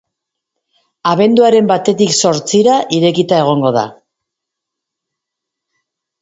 Abenduaren batetik zortzira irekita egongo da.